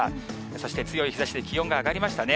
そして、強い日ざしで気温が上がりましたね。